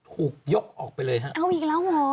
ถูกยกออกไปเลยฮะเอาอีกแล้วเหรอ